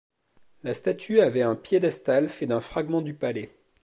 La statue avait un piédestal fait d'un fragment du palais.